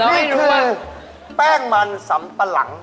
นี่คือแป้งมันสำปะหลัง